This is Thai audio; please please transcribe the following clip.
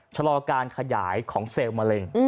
ชะลอการขยายของเซลล์มะเร็ง